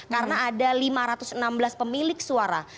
karena ada lima ratus enam belas pemilik suara